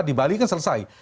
di bali kan selesai